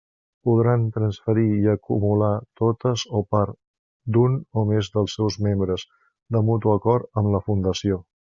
Podran transferir i acumular totes o part, d'un o més dels seus membres, de mutu acord amb la Fundació.